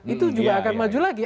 itu juga akan maju lagi